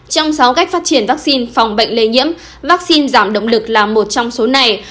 trong sáu cách phát triển vaccine phòng bệnh lây nhiễm vaccine giảm động lực là một trong số này